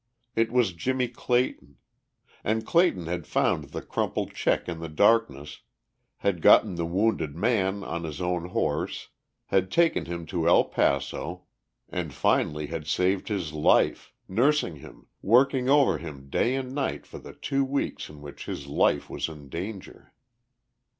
It was Jimmie Clayton. And Clayton had found the crumpled check in the darkness, had gotten the wounded man on his own horse, had taken him to El Paso, and finally had saved his life, nursing him, working over him day and night for the two weeks in which his life was in danger.